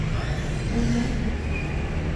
Edna St.